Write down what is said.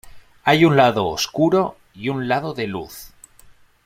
Hay un lado oscuro y un lado de luz.